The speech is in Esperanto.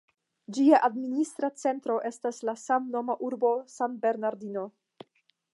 Ĝia administra centro estas la samnoma urbo San Bernardino.